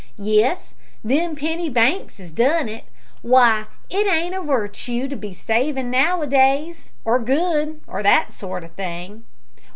"Yes, them penny banks 'as done it. W'y, it ain't a wirtue to be savin' now a days, or good, or that sort o' thing.